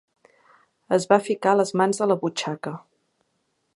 Es va ficar les mans a la butxaca.